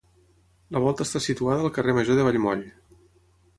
La volta està situada al carrer Major de Vallmoll.